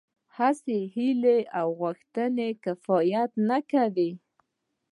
هسې هيله او غوښتنه کفايت نه کوي.